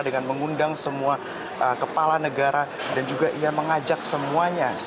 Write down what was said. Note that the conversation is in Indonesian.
dan juga ia mengajak semua pemerintah indonesia yang mengundang semua kepala negara dan juga ia mengajak semua pemerintah indonesia